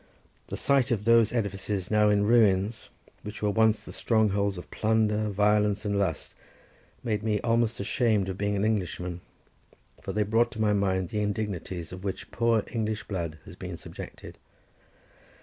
The sight of those edifices, now in ruins, but which were once the strongholds of plunder, violence, and lust, made me almost ashamed of being an Englishman, for they brought to my mind the indignities to which poor English blood had been subjected.